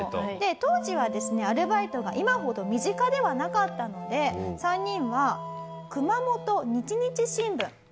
当時はですねアルバイトが今ほど身近ではなかったので３人は。